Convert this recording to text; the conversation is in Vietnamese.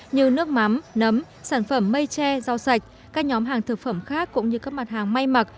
như nước mắm nấm sản phẩm mây tre rau sạch các nhóm hàng thực phẩm khác cũng như các mặt hàng may mặc